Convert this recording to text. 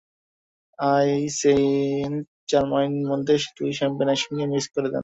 আহ, সেন্ট-জার্মাইনের মধ্যে দুটি শ্যাম্পেন একসঙ্গে মিক্স করে দেন।